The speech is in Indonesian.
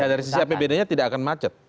dari sisi apbd nya tidak akan macet